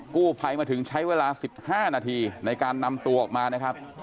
กู้ภัยมาถึงใช้เวลา๑๕นาทีในการนำตัวออกมานะครับ